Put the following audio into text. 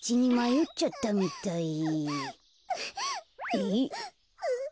えっ？